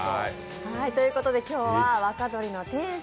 ということで今日は若鳥の店主